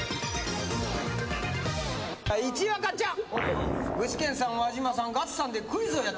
１位はかっちゃん。